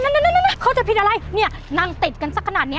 นั่นเข้าใจผิดอะไรนี่นางติดกันสักขนาดนี้